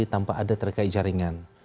tanpa ada terkait jaringan